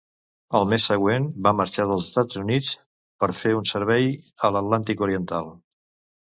Al mes següent, va marxar dels Estats Units per fer un servei a l'Atlàntic oriental.